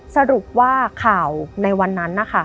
สรุปว่าข่าวในวันนั้นนะคะ